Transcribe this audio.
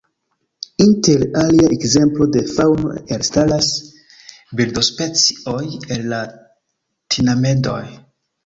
Inter aliaj ekzemplo de faŭno elstaras birdospecioj el la tinamedoj.